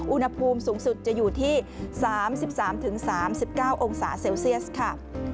อุณหภูมิสูงสุดจะอยู่ที่๓๓๙องศาเซลเซียสค่ะ